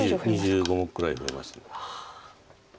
２５目ぐらい増えました。